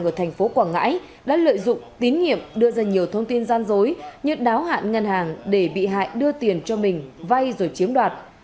ngân hàng ở tp quảng ngãi đã lợi dụng tín nghiệm đưa ra nhiều thông tin gian dối như đáo hạn ngân hàng để bị hại đưa tiền cho mình vay rồi chiếm đoạt